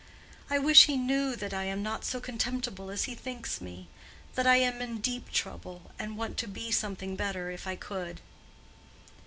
"I wish he knew that I am not so contemptible as he thinks me; that I am in deep trouble, and want to be something better if I could."